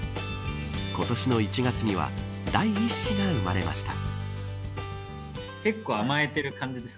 今年の１月には第１子が生まれました。